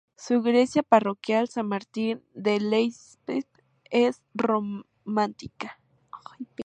Su iglesia parroquial, San Martín de Llesp, es románica.